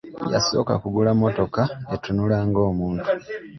Yasooka kugula mmotoka etunula ng'omuntu.